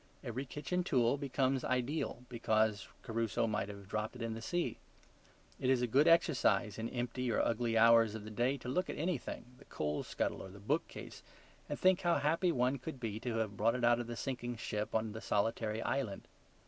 Every kitchen tool becomes ideal because Crusoe might have dropped it in the sea. It is a good exercise, in empty or ugly hours of the day, to look at anything, the coal scuttle or the book case, and think how happy one could be to have brought it out of the sinking ship on to the solitary island.